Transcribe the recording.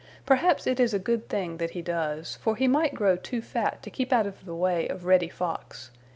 Perhaps it is a good thing that he does, for he might grow too fat to keep out of the way of Reddy Fox.